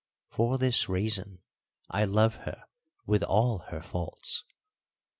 For this reason I love her with all her faults.